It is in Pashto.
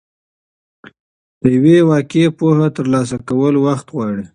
د یوې واقعي پوهې ترلاسه کول وخت غواړي.